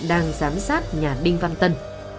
đang giám sát nhà đinh văn tân